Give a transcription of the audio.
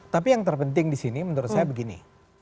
tapi yang terpenting disini menurut saya begini